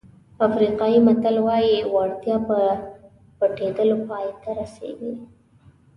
افریقایي متل وایي وړتیا په پټېدلو پای ته رسېږي.